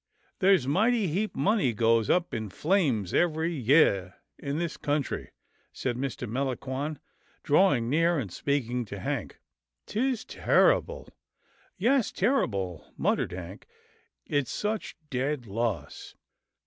" There's mighty heap money goes up in flames every yeah in this country," said Mr. Melangon drawing near, and speaking to Hank, " 'tis ter rible." " Yes, terrible," muttered Hank, " it's such dead loss."